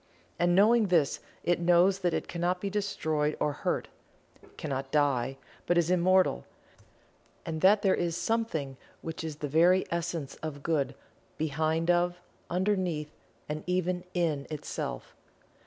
And knowing this, it knows that it cannot be destroyed or hurt; cannot die, but is immortal; and that there is Something which is the very essence of Good behind of, underneath and even in itself.